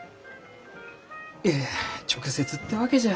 いや直接ってわけじゃ。